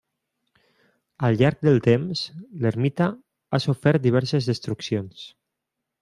Al llarg del temps, l'ermita ha sofert diverses destruccions.